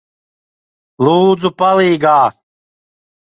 Lūdzu, palīgā!